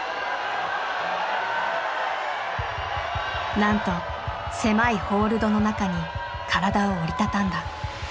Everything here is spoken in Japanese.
なんと狭いホールドの中に体を折り畳んだ。